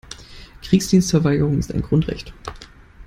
Kriegsdienstverweigerung ist ein Grundrecht.